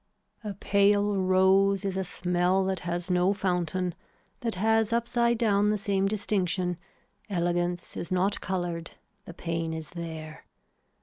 A pale rose is a smell that has no fountain, that has upside down the same distinction, elegance is not coloured, the pain is there.